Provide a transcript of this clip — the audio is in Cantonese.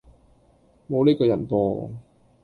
無呢個人噃